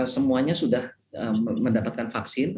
semuanya sudah mendapatkan vaksin